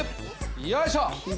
よいしょ。